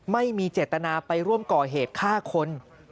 ไม่มีเจตนาไปร่วมก่อเหตุฆ่าคน